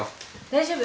大丈夫。